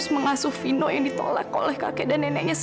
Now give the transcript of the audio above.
sesuai permintaan ya